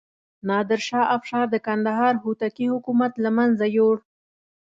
نادر شاه افشار د کندهار هوتکي حکومت له منځه یووړ.